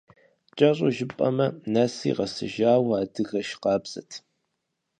КӀэщӀу жыпӀэмэ, нэсри къэсыжауэ адыгэш къабзэт.